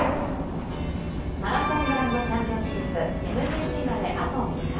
マラソングランドチャンピオンシップＭＧＣまであと３日。